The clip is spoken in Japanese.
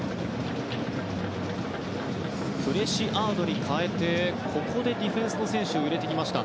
プレシアードに代えてここでディフェンスの選手を入れてきました。